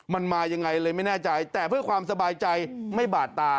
มันมายังไงเลยไม่แน่ใจแต่เพื่อความสบายใจไม่บาดตา